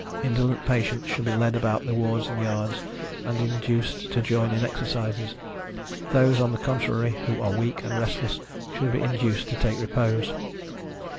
Indolent patients should be led about the wards and yards, and induced to join in exercises; those, on the contrary, who are weak, and restless, should be induced to take repose.